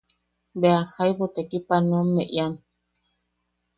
Bea jaibu tekipanoamme ian.